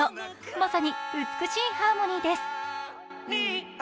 まさに美しいハーモニーです。